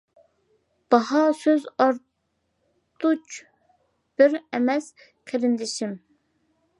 باھا سۆز ئارتۇچ بىر ئەمەس قېرىندىشىم.